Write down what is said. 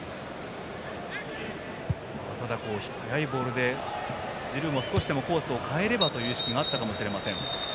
ただ、速いボールでジルーも少しでもコースを変えればという意識があったかもしれません。